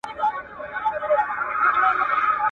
را ستنیږي به د وینو سېل وهلي.